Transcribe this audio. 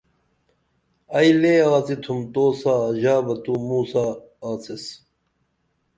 ائی لے آڅِتُھم تو سا ژا بہ تو موں سا آڅیس